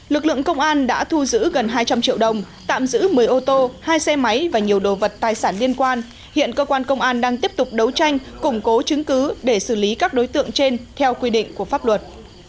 lực lượng công an đã thu giữ gần hai trăm linh triệu đồng tạm giữ một mươi ô tô hai xe máy và nhiều đồ vật tài sản liên quan hiện cơ quan công an đang tiếp tục đấu tranh củng cố chứng cứ để xử lý các đối tượng trên theo quy định của pháp luật